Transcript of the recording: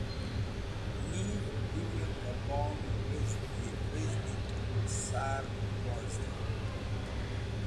Niv, Gũl-e Qũrbon wizit k̃hũ sar wũzdũyd.”